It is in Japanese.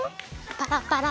パラパラ。